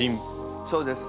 そうです。